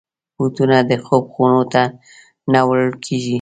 بوټونه د خوب خونو ته نه وړل کېږي.